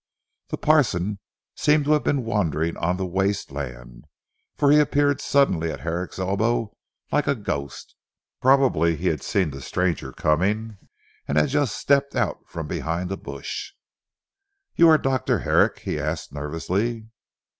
The parson seemed to have been wandering on the waste land, for he appeared suddenly at Herrick's elbow like a ghost. Probably he had seen the stranger coming and had just stepped out from behind a bush. "You are Dr. Herrick?" he asked nervously.